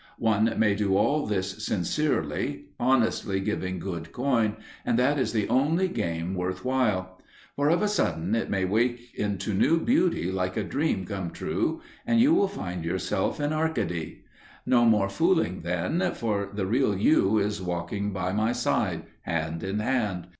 One may do all this sincerely, honestly giving good coin, and that is the only game worth while; for of a sudden it may wake into new beauty like a dream come true, and you will find yourself in Arcady. No more fooling then, for the real you is walking by my side, hand in hand.